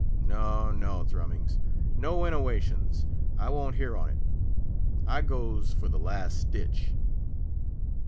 No, no, Thrummings! no innowations; I won't hear on't. I goes for the last stitch!"